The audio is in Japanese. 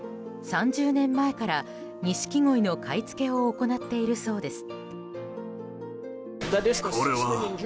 ３０年前から、ニシキゴイの買い付けを行っているそうです。